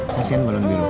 kasian balon biru